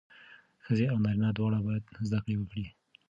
ښځې او نارینه دواړه باید زدهکړه وکړي.